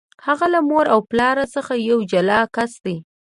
هغه له مور او پلار څخه یو جلا کس دی.